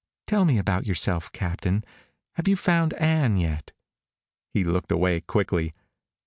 "Tell me about yourself, Captain. Have you found Ann yet?" He looked away quickly.